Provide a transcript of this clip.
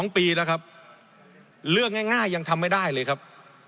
๒ปีแล้วครับเรื่องง่ายยังทำไม่ได้เลยครับ